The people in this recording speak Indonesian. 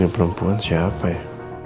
ini perempuan siapa ya